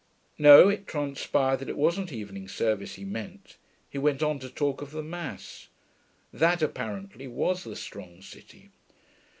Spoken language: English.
No: it transpired that it wasn't evening service he meant; he went on to talk of the Mass. That, apparently, was the strong city.